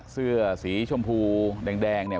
เสื้อสีชมพูแดงเนี่ย